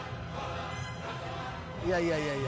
いやいやいやいや。